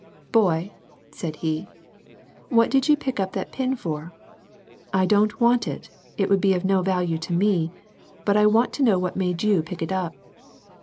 —" Boy," said he " what do you pick up that pin fpr ? I don't want it, it would be of no value to me, but I want to know what made you pick it up."